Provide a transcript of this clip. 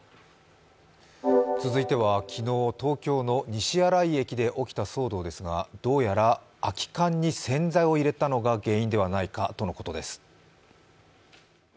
続いては昨日、東京の西新井駅で起きた騒動ですが、どうやら空き缶に洗剤を入れたのが原因ではないかとのことです。